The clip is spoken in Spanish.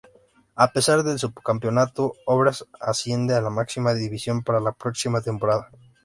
A pesar del subcampeonato, Obras asciende a la máxima división para la próxima temporada.